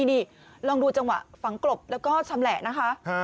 นี่ลองดูจังหวะฝังกลบแล้วก็ชำแหละนะคะ